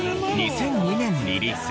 ２００２年リリース